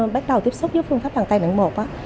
bắt đầu tiếp xúc với phương pháp bàn tay nặn bột